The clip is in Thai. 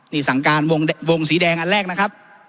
นี่สั่งการวงสีแดงอันแรกนะครับ